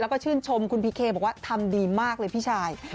แล้วก็ชื่นชมคุณพีเคบอกว่าทำดีมากเลยพี่ชาย